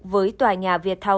với tòa nhà việt thông